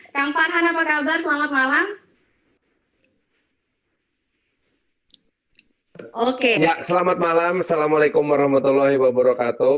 yang parhan apa kabar selamat malam oke selamat malam assalamualaikum warahmatullahi wabarakatuh